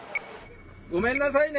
・ごめんなさいね。